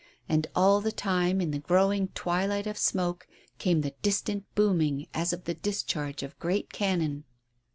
And all the time, in the growing twilight of smoke, came the distant booming as of the discharge of great cannon.